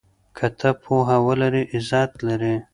که ته پوهه ولرې عزت لرې.